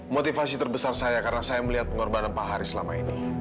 motivasi terbesar saya karena saya melihat pengorbanan pak haris selama ini